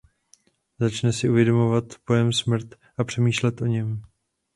Začne si uvědomovat pojem smrt a přemýšlet o něm.